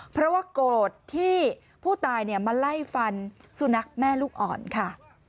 เพราะว่าโกรธที่ผู้ตายมาไล่ฟันสุนัขแม่ลูกอ่อนค่ะ